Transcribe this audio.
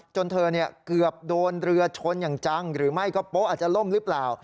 จนเธอเกือบโดนเรือชนอย่างจังหรือไม่ก็โป๊ะอาจจะล่มหรือเปล่า